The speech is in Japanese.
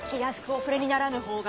お触れにならぬ方が。